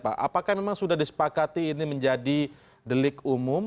apakah memang sudah disepakati ini menjadi delik umum